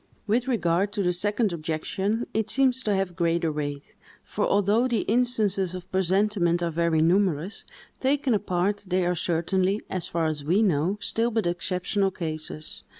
With regard to the second objection, it seems to have greater weight; for although the instances of presentiment are very numerous, taken apart, they are certainly, as far as we know, still but exceptional cases.